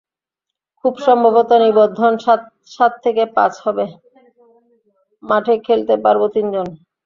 খুব সম্ভবত নিবন্ধন সাত থেকে পাঁচ হবে, মাঠে খেলতে পারবে তিনজন।